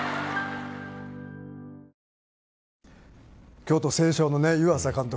京都成章のね、湯浅監督